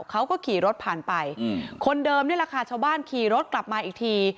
เขาก็ขี่รถผ่านไปคนเดิมนี่แหละค่ะชาวบ้านขี่รถกลับมาอีกที